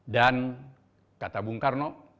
dan kata bung karno